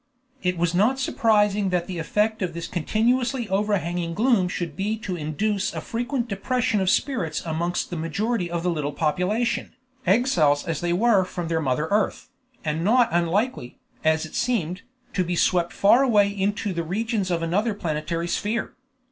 It was not surprising that the effect of this continuously overhanging gloom should be to induce a frequent depression of spirits amongst the majority of the little population, exiles as they were from their mother earth, and not unlikely, as it seemed, to be swept far away into the regions of another planetary sphere.